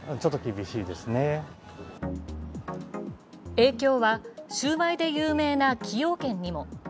影響はシウマイで有名な崎陽軒にも。